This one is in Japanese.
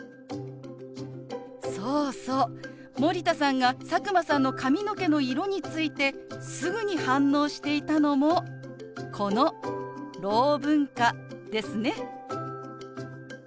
そうそう森田さんが佐久間さんの髪の毛の色についてすぐに反応していたのもこのろう文化ですね。